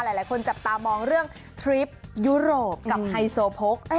หลายคนจับตามองเรื่องทริปยุโรปกับไฮโซโพก